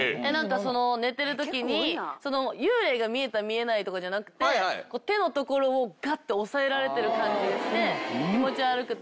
寝てる時に幽霊が見えた見えないじゃなくて手の所をガッて押さえられてる感じがして気持ち悪くて。